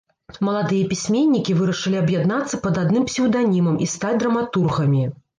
Маладыя пісьменнікі вырашылі аб'яднацца пад адным псеўданімам і стаць драматургамі.